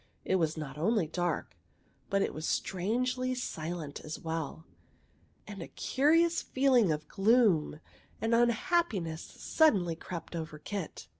It was not only dark, but it was strangely silent as well; and a curious feeling of gloom and unhappiness suddenly crept over Kit.